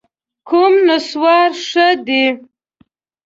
کوم نسوار ښه دي؟